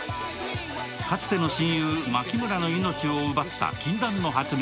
かつての親友、槇村の命を奪った禁断の発明